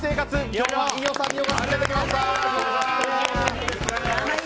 今日は飯尾さんにお越しいただきました。